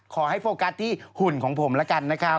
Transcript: ขอให้โฟกัสที่หุ่นของผมล่ะกันนะครับ